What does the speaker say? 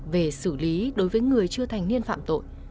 về xử lý đối với người chưa thành niên phạm tội